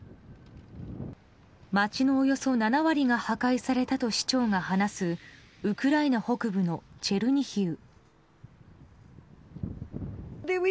街のおよそ７割が破壊されたと市長が話すウクライナ北部のチェルニヒウ。